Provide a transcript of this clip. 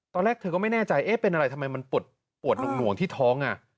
ตอนแรกเธอก็ไม่แน่ใจเอ๊ะเป็นอะไรทำไมมันปวดหน่วงที่ท้อง